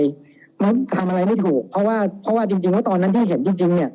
ทำอะไรไม่ถูกเพราะว่าจริงตอนนั้นที่เห็นจริง